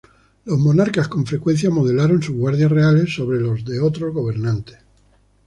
Los monarcas con frecuencia modelaron sus Guardias Reales sobre los de otros gobernantes.